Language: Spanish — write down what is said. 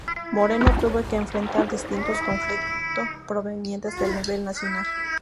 Moreno tuvo que enfrentar distintos conflicto provenientes del nivel nacional.